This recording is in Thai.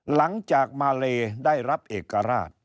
หลังจากมาเลได้รับเอกราช